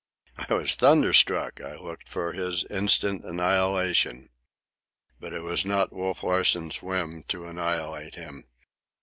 I was thunderstruck. I looked for his instant annihilation. But it was not Wolf Larsen's whim to annihilate him.